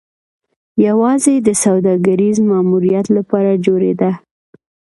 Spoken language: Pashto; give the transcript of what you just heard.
یوازې د سوداګریز ماموریت لپاره جوړېده